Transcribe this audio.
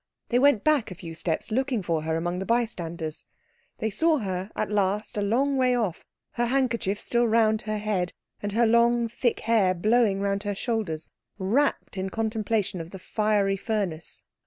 They went back a few steps, looking for her among the bystanders. They saw her at last a long way off, her handkerchief still round her head and her long thick hair blowing round her shoulders, rapt in contemplation of the fiery furnace.